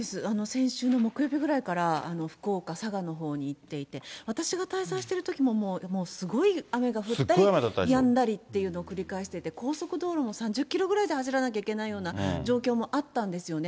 先週の木曜日ぐらいから福岡、佐賀のほうに行っていて、私が滞在しているときも、もうすごい雨が降ったりやんだりっていうのを繰り返していて、高速道路も３０キロぐらいで走らなきゃいけないような状況もあったんですよね。